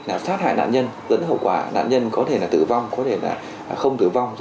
là sát hại nạn nhân dẫn đến hậu quả nạn nhân có thể là tử vong có thể là không tử vong